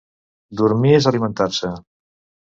Dormir és alimentar-se.